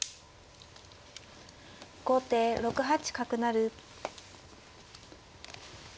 後手６八角成。